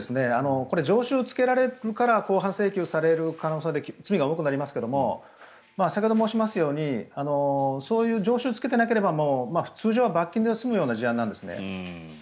これは常習をつけられるから公判請求される可能性罪が大きくなりますが先ほど申しましたようにそういう常習をつけていなければ通常は罰金で済むような事案なんですね。